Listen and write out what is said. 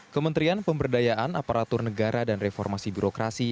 kementerian pemberdayaan aparatur negara dan reformasi birokrasi